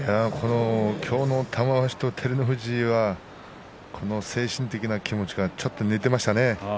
今日の玉鷲と照ノ富士は精神的な気持ちがちょっと抜けていましたね。